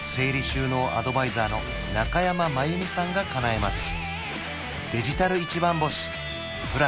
収納アドバイザーの中山真由美さんがかなえます